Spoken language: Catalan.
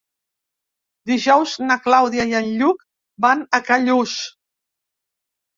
Dijous na Clàudia i en Lluc van a Callús.